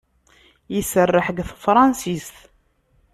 Iserreḥ deg tefṛansit.